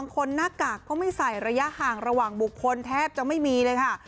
คนหน้ากากก็ไม่ใส่ระยะห่างระหว่างบุคคลแทบจะไม่มีเลยค่ะ